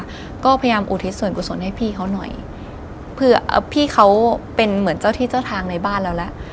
แล้วก็พยายามอุทิศส่วนกุศลให้พี่เขาหน่อยเผื่อพี่เขาเป็นเหมือนเจ้าที่เจ้าทางในบ้านเราแล้ว